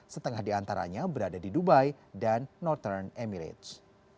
setengah di antaranya berada di dubai dan northern emirates